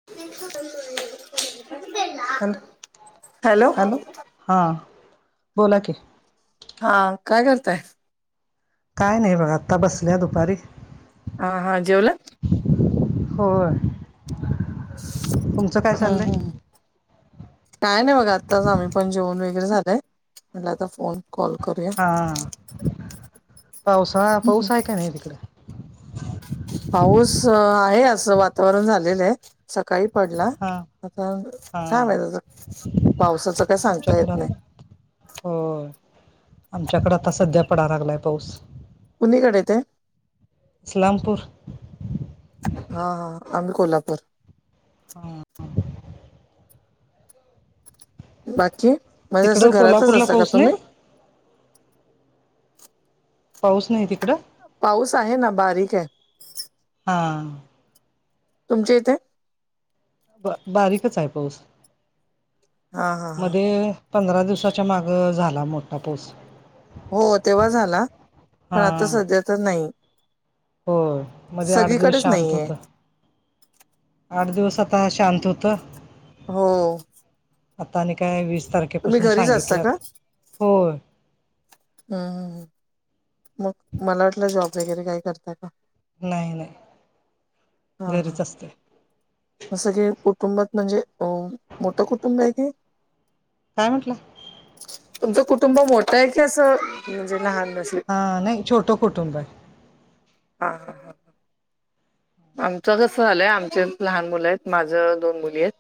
मठ ब त hello hello हा बोला क हा काय करताय काय नाही बघा आता बसल्या दुपारी हा हा, जेवलात. होय. तुमचं काय हा चाललंय हा, काय नाही, बघा आत्ताच आम्ही पण जेवण वगैरे झालंय म्हटला आता फोन कॉल करूया. हा, पावसाळा पाऊस आहे काय नाही तिकडे, पाऊस आहे, असं वातावरण झालेलं आहे सकाळी पडला, हा आता हा काम आहे. त्याच पावसाच काय सांगता येत नाही. हो, आमच्याकडे आता सध्या पडायला लागलाय पाऊस. कुणीकडे ते, इस्लामपूर. हा हा, आम्ही कोल्हापूर. हा, बाकी म्हणजे असं तिकडं घरातच कोल्हापूरला असता का पाऊस तुम्ही नाही पाऊस नाही तिकडं. पाऊस आहे ना बारीक आहे. हा, तुमच्या इथे, ब बारीकच आहे पाऊस हा हा हा मध्ये पंधरा दिवसाच्या मागं झाला मोठा पाऊस. हो, तेव्हा झाला पण हा आता सध्या तर नाही. हो मध्ये आठ दिवस सगळीकडेच शांत नाहीये होत. आठ दिवस आता शांत होत. हो, आता आणि काय वीस तुम्ही तारखेपासून घरीच असता का सांगितल्यात हो, हम्म, मग मला वाटलं जॉब वगैरे काही करताय का? नाही नाही, घरीच असते. तस की, कुटुंबात म्हणजे अ मोठं कुटुंब आहे काय? काय म्हटला? तुमचं कुटुंब मोठं आहे, की असं म्हणजे लहान जस, हा, नाही छोटं कुटुंब आहे. हा हा हा, आमचं कसं आलंय, आमच्यात लहान मुलं आहेत. माझ दोन मुली आहेत.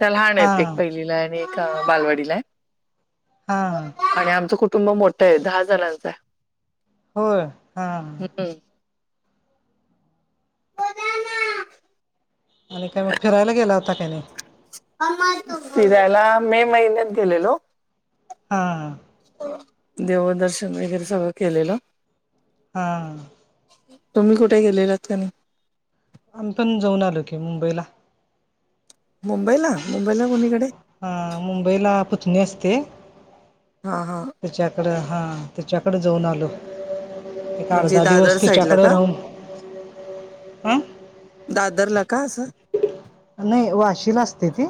त्या लहान हा आहेत. एक पहिलीला आणि एक बालवाडीला आहे. हा आणि आमचं कुटुंब मोठं आहे दहा जणांच आहे. होय, हा, हं, [unintelligible] आणि काय मग फिरायला गेला होता काही नाही. फिरायला मे महिन्यात गेलेलो. हा, देवदर्शन वगैरे सगळं केलेलं. हा हा, तुम्ही कुठे गेलेलात का नाही. आम्ही पण जाऊन आलो की मुंबईला. मुंबईला मुंबईला कोणीकडे हा मुंबईला पुतणी असते. हा हा, तिच्याकड हा तिच्याकड जाऊन आलो. एक, आठ, म्हणजे दहा दादर दिवस साईडला तिच्याकडे का राहून आ दादरला का असं. नाही वाशिला असते ती.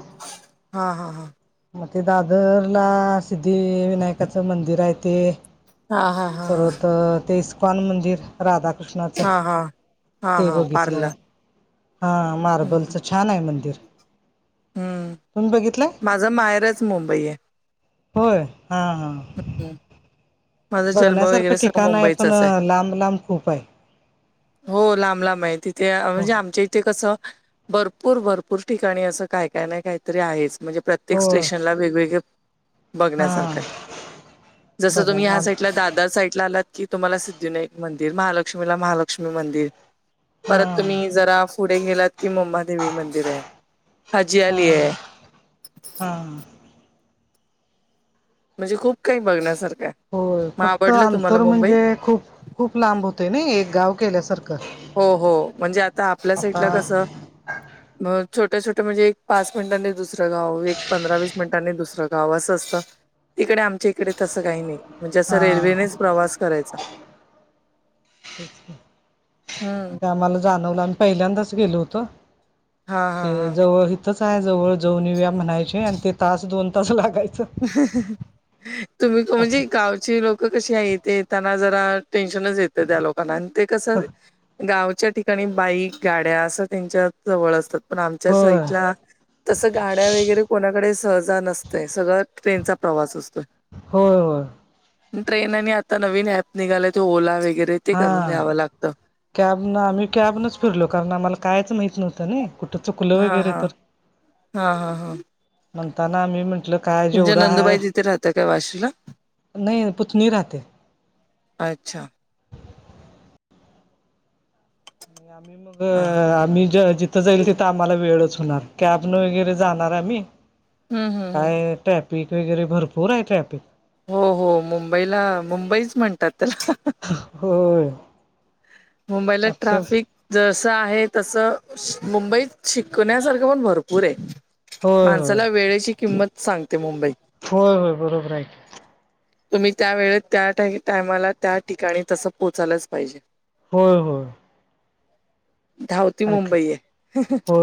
हां हां हां. मग ते दादर ला सिद्धिविनायकाचं मंदिर आहे ते हा हा हा हा परत ते इस्कन मंदिर. राधाकृष्णाचं हा हा हा हा ते हा पार्ला बघितलं. हा मार्बलचं छान आहे. मंदिर हम्म तुम्ही बघितलंय? माझं माहेरच मुंबई आहे. होय हा हा. हा माझा जन्म वगैरे सगळं ठिकाण पण मुंबईचाच आहे. लांब लांब खूप आहे हो लांब लांब आहे, तिथे हो म्हणजे आमच्या इथे कसं. भरपूर भरपूर ठिकाणी असं काय काय ना काहीतरी आहे म्हणजे प्रत्येक होय स्टेशनला हां बघण्यासारखं आहे जस तुम्ही बघायला आम ह्या अदर साईड ला आलात की तुम्हाला सिद्धविनायक मंदिर महालक्ष्मीला महालक्ष्मी मंदिर. परत हां तुम्ही जरा पुढे गेलात की मुब्मादेवी मंदिर आहे. हजी आली आहे. हा म्हणजे खूप काही बघण्यासारखं. हो मग फक्त आवडलं तुम्हाला अंतर मुंबई? म्हणजे खूप खूप लांब होते ना एक गाव केल्यासारखं. हो हो म्हणजे आता आपल्या आता साईटला कस म छोट्या छोट्या म्हणजे एक पाच मिनिटांनी दुसरं गाव एक पंधरा वीस मिनिटांनी दुसरं गाव असं असतं तिकडे आमच्या इकडे तसं काही नाही म्हणजे असं हां रेल्वेनेच प्रवास करायचा. [inaudible] हम्म. आ जाणवल आम्ही पहिल्यादा च गेलो होतो हा हा ही हा जवळ हितच आहे जवळ जाऊन येउया म्हणायचे आणि ते तास दोन तास लागायचं. तुम्ही असं म्हणजे गावची लोक. कशी आहे ते त्यांना जरा टेन्शनच येतं त्या लोकांना आणि ते कसं गावच्या ठिकाणी बाईक गाड्या असं त्यांच्या जवळ असतात. पण आमच्या होय साइडला तसं गाड्या वगैरे कोणाकडे सहजा नसतय सगळं ट्रेनचा प्रवास असतोय. होय होय. ट्रेनने आता नवीन ऍप निघालात ओला वगैरे, ते हा करून द्यावं लागतं. कॅब न आम्ही कॅब नच फिरलो कारण आम्हाला कायच माहित नव्हतं ना कुठ चुकलं हा वगैरे हा. तर, हा हा हा. म्हणताना आम्ही म्हंटल. काय तुमच्या जेवढा ह नंदुबाई तिथे राहता काय वाशीला? नाही पुतनी राहते. अच्छा. आम्ही हा. मग ज्या जीतू तिथ जाईल तिथं आम्हाला वेळच होणार कॅब न वगैरे जाणार आम्ही हम्म हम्म. हम्म. काय टॅप पीक वगैरे भरपूर आहे ट्राफिक हो हो मुंबईला मुंबईच म्हणतात त्याला, हं. होय. मुंबईला अक्षर ट्राफिक जसं आहे तसं मुंबईत शिकण्यासारखं पण भरपूर आहे. होय होय माणसाला वेळेची किंमत सांगते मुंबईत. होय होय बरोबर आहे की तुम्ही त्या वेळे त्या टायमाला त्या ठिकाणी तसं पोहचायलाच पाहिजे. होय होय धावती मुंबई हेय. हो.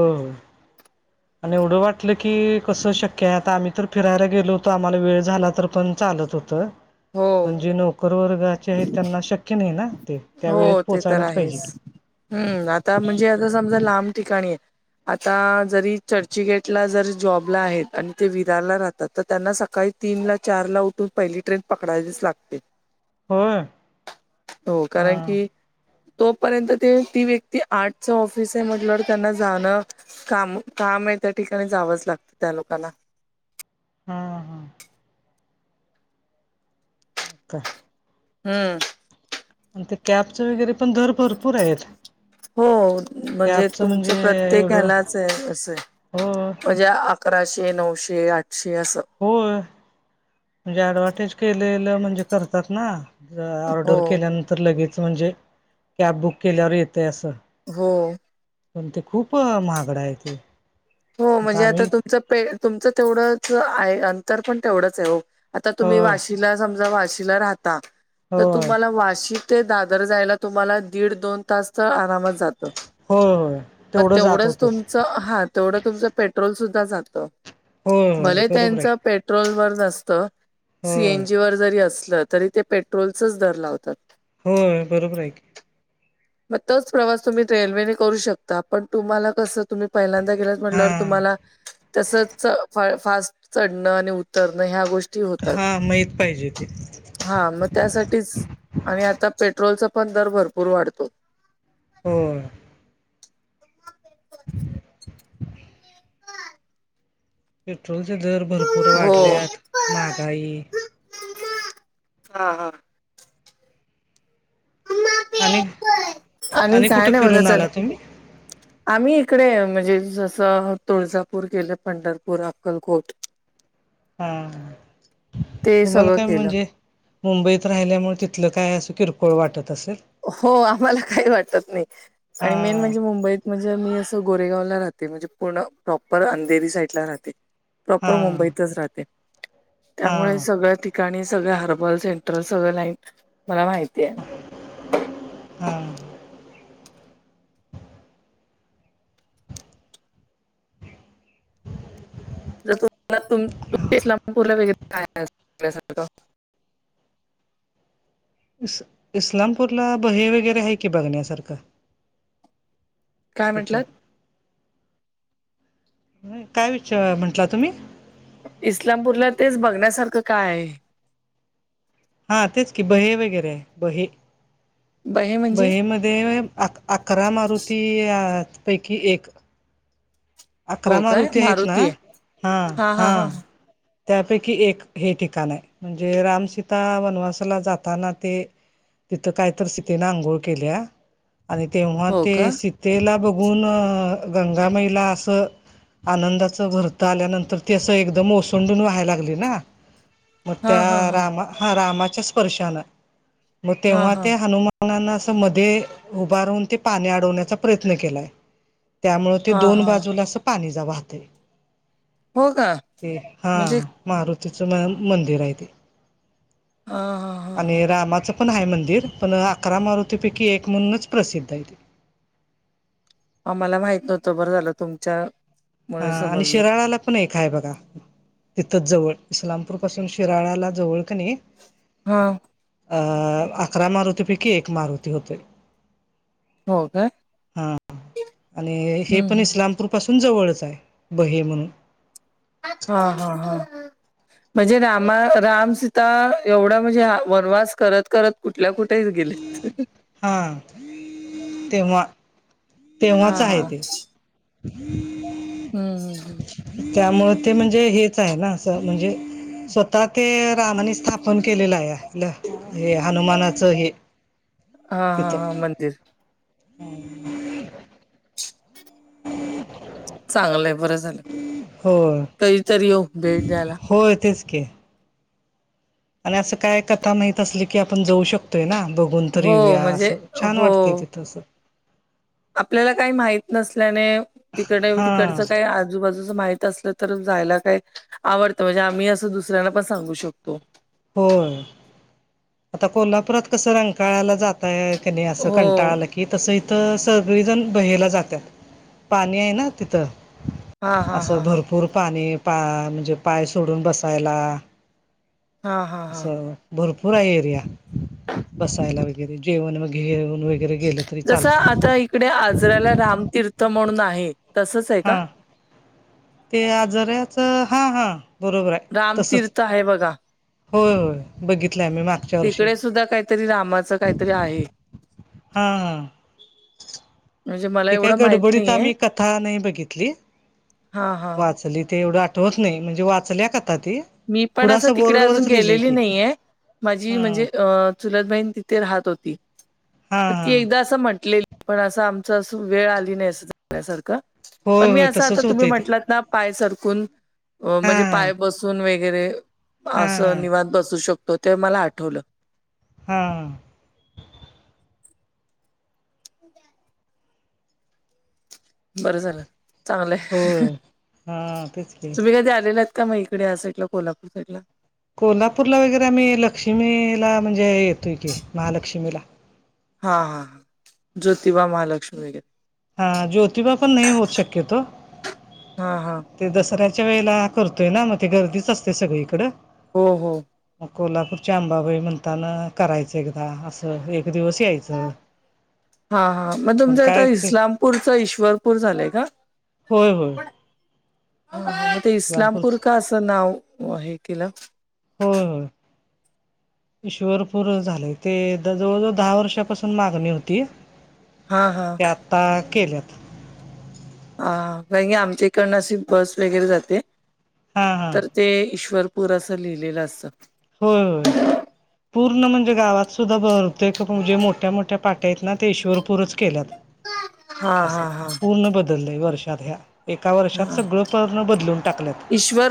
आणि एवढं वाटलं की, कसं शक्य आहे? आता आम्ही तर फिरायला गेलो होतो. आम्हाला वेळ झाला, तर पण चालत होतं. हो पण जे नोकर वर्गाचे आहेत. त्यांना शक्य नाही ना ते त्या हो, वेळेत ते तर पोहोचायलाच पाहिजे आहेच. की हम्म, आता म्हणजे आता समजा, लांब ठिकाणी आहे. आता जरी चर्चगेटला जरी जॉबला आहेत, आणि ते विरारला राहतात तर त्यांना सकाळी तीनला, चारला उठून पहिली ट्रेन पकडायवीच लागते. होय. हो हा कारण की तोपर्यंत ते ती व्यक्ती आठच र्ऑफिस आहे, म्हटलंवर त्यांना जाणं काम, काम आहे. त्या ठिकाणी जावंच लागतं त्या लोकांना. हा हा हो का हम्म. आणि ते कॅबच वगैरे पण दर भरपूर आहेत. हो, म्हणजे कॅबचं म्हणजे तुमचं प्रत्येक एवढं हलाच आहे, अस आहे. हो म्हणजे अकराशे, नऊशे, आठशे, असं. होय, म्हणजे ऍडवटेज केलेलं, म्हणजे करतात ना. हो ऑर्डर केल्यानंतर लगेच, म्हणजे कॅब बुक केल्यावर येतय, असं. हो. पण ते खूप महागडा आहे. ते हो म्हणजे, आता तुमचं पे तुमचं तेवढंच आहे, अंतर पण तेवढंच आहे हो. आता हो तुम्ही, वाशीला समजा, वाशीला, राहता. तर होय होय तुम्हाला वाशी. ते दादर जायला तुम्हाला दीड दोन तास, तर आरामात जात. होय प तेवढं जात तेवढंच होतच तुमचं हा, तेवढं तुमचं पेट्रोल सुद्धा जात. होय होय भले बरोबर त्यांच आहे पेट पेट्रोल वर नसत, होय सीएन जी वर जरी असलं, तरी ते पेट्रोलचच दर लावतात. हो, बरोबर आहे की. मग तोच प्रवास तुम्ही रेल्वेने करू शकता. पण तुम्हाला कसं? तुम्ही पहिल्यांदा गेला, हा म्हटलवर तुम्हाला तस. फ फास्ट चढणं आणि उतरणं, ह्या गोष्टी होत. हा माहित पाहिजे ते. हा, मग त्यासाठीच. आणि आता पेट्रोलचा पण दर भरपूर वाढतो. होय. पेट्रोलचे दर भरपूर हो. वाढल्यात. महागाई. मम्मा, हा हा. आणि, आणि काय कुठे नाही बघा फिरून चला आला तुम्ही? आम्ही इकडे, म्हणजे जसं तुळजापूर गेलं. पंढरपूर, अक्कलकोट. हा, ते तुम्हाला सगळं काय, केलं म्हणजे. मुंबईत राहिल्यामुळे, तिथलं काय असं किरकोळ वाटत असेल. हो, आम्हाला काही वाटत, नाही. हा आणि मेन, म्हणजे मुंबईत. म्हणजे मी असं गोरेगावला राहते म्हणजे पूर्ण प्रॉपर अंधेरी साईडला राहते. प्रॉपर हा मुंबईतच राहते, त्यामुळे हा सगळं ती ठिकाणी सगळ. हर्बल, सेंट्रल सगळ लाईन मला माहिती आहे. ह हां जर तुम्हाला इस्लामापूरला वगैरे काय असल्यासारखं. इस इस्लामपूरला बहे वगैरे आहे की बघण्यासारखं काय तिथं म्हंटलात? काय विचार म्हंटला तुम्ही? इस्लामपूरला तेच बघण्यासारखं काय आहे? हा तेचं की बहे वगैरे बहे ब हे म्हणजे बहेम बहे म्हणे अक अकरा मारुती अह पैकी एक अकरा हो काय मारुती आहेत ना आहे हां हा हा हां हा हा. त्यापैकी एक हे ठिकाणं आहे म्हणजे रामसीता वनवासाला जाताना ते तिथं काय तर सीतेने आंघोळ केल्या. आणि तेव्हा हो ते का सीतेला बघून गंगा माईला असं अह आनंदाचं भरत आल्यानंतर ती असं एकदम ओसंडून व्हायला लागली ना. मग हा त्या हा हा रामां हा रामाच्या स्पर्शानं मग हा तेव्हा हा ते हनुमान मानाने असं मध्ये उभारून ते पाणी अडवण्याचा प्रयत्न केलाय. त्यामुळं ते हा दोन हा बाजूला असं पाणी जा वाहतंय. हो का ते हा म्हणजे मारुतीचं म मंदिर आहे ते. हा. हा हा आणि हा रामाचं पण आहे मंदिर पण अकरा मारुतीपैकी एक म्हणूनच प्रसिद्ध आहे ते. आम्हाला माहित नव्हतं बरं झालं तुमच्या हा मुळे आणि समजलं शिराळाला पण एक काय बघा तिथंच जवळ इस्लामपूर पासून शिराळाला जवळ की नाही. हा. अ अकरा मारुतीपैकी एक मारुती होतोय. हो काय हा आणि हे पण हम्म इस्लामपूर पासून जवळच आहे बहे म्हणून हा हा हा. म्हणजे रामा रामसीता एवढा म्हणजे हा वनवास करत करत कुठल्या कुठेच गेलेत. हा तेव्हा हा तेव्हाच हा आहे ते. हम्म हम्म हम्म. त्यामुळं ते म्हणजे हेच आहे ना असं म्हणजे स्वतः ते रामाने स्थापन केलेलं आहे ल हे हनुमानाचं हे हा हा हा तिथं. मंदिर चांगलंय बरं झालं. हो कधीतरी येऊ भेट द्यायला होय तेच की. आणि असं काय कथा माहित असली की आपण जाऊ शकतोय ना बघ बघून तरं हो येऊया म्हणजे असं छान हो वाटतंय तिथं असं. आपल्याला काही माहीत नसल्याने तिकडे हा तिकडचं काय आ आजूबाजूच माहित असलं तर जायला काही आवडतं म्हणजे आम्ही असं दुसऱ्यांना पण सांगू शकतो. होय. आता कोल्हापुरात कसं रंकाळाला जातायं क नाही असं हो कंटाळा आला की कि तसं इथं सगळेजण बहेला जातात पाणी आहे ना तिथं हा हा असं हा हा भरपूर पाणी पा म्हणजे पाय सोडून बसायला हा हा हा असं भरपूर आहे एरिया बसायला वगैरे जेवण मग घेऊन वगैरे गेलं तरी जसं चालतं आता इकडे आजराला रामतीर्थ म्हणून आहेत. हा ते आजाऱाच हा हा बरोबर आहे तसंच रामतीर्थ आहे बघा. होय होय बघितलं आहे मी माग तिकडे सुद्धा काहीतरी रामाचं काहीतरी आहे हां म्हणजे मला ते काय एवढं माहित गडबडीत नाहीये. आम्ही कथा नाही बघितली. हां, हां. वाचली ते एवढं आठवत नाही म्हणजे वाचल्या कथा ती मी पण पुढं असं तिकडे अजून बोर्डवरच लिहिलंय गेलेली की नाहीये माझी हा म्हणजे अ चुलत बहीन तिथे राहत होती हा प ती हा एकदा असं म्हटलेली पण असं आमचं अस वेळ आली नाही असं सांगण्यासारखं होय पण मी होय असं आता तसच तुम्ही होतंय ते म्हटलात ना पाय सरकून हा म्हणजे पाय बसू सून वगैरे हा असं हा निवात बसू शकतो ते मला आठवलं हां बरं झालं चांगलंय होय हा तेच की तुम्ही कधी आलेलात त्या मग इकडे अस या साईडला केव्हा कोल्हापूर साईडला कोल्हापूरला वगैरे आम्ही लक्ष्मीला म्हणजे येतोय की महालक्ष्मीला हा हा हां ज्योतिबा महालक्ष्मी वगैरे हा ज्योतिबा पण नाही होत शक्यतो हा हा ते दसऱ्याच्या वेळेला करतोय ना मग ते गर्दीच असते सगळीकडं हो् हो मग कोल्हापूरच्या अंबाबाई म्हणताना करायचं एकदा अस एक दिवस हा यायचं हा मग पण तुमचं काय इथं ते इस्लामपूर च ईश्वरपूर झालंय का? होय होय हम्म ते इस्लामपूरच इस्लामपूर का असं नाव हे केलं? होय होय ईश्वरपूर झालय ते जवळ जवळ दहा वर्षापासून मागणी होती हा हा ता केल्यात ह कारण की आमच्या इकडनं अशी बस वगैरे जाते हा हा तर ते ईश्वरपूर असं लिहिलेलं असतं होय होय पूर्ण म्हणजे गावात सुद्धा बहुतेक म्हणजे मोठ्या मोठ्या पाट्या आहेत ना ते ईश्वरपूरच केल्यात हा असं हा हा पूर्ण बदललंय वर्षात ह्या एका वर्षात हा सगळं पूर्ण बदलून टाकल्यात ईश्वर